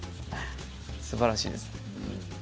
すばらしいです。